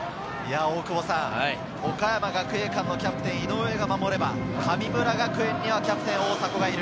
岡山学芸館のキャプテン・井上が守れば、神村学園にはキャプテン・大迫がいる。